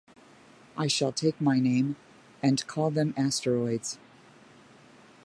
I shall take my name, and call them asteroids.